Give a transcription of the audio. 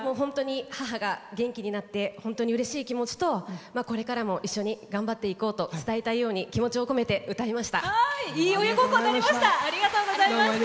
母が元気になって本当にうれしい気持ちとこれからも一緒に頑張っていこうと伝えたいと気持ちを込めて歌いました。